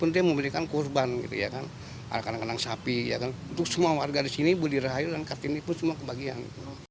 untuk semua warga di sini budi rahayu dan kartini pun semua kebahagiaan